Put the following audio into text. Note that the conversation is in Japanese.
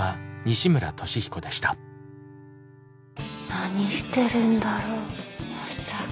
何してるんだろうまさか。